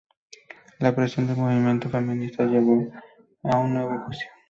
La presión del movimiento feminista llevó a un nuevo juicio.